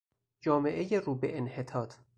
جامعهی روبه انحطاط